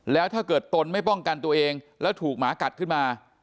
แล้วถ้าเกิดตนไม่ป้องกันตัวเองแล้วถูกหมากัดขึ้นมา